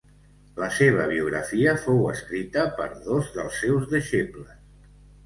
La seva biografia fou escrita per dos dels seus deixebles.